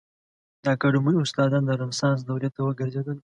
د اکاډمي استادان د رنسانس دورې ته وګرځېدل.